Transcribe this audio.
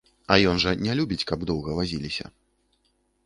А ён жа не любіць, каб доўга вазіліся.